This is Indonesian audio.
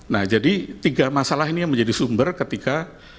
nah jadi tiga masalah ini yang menjadi sumber ketika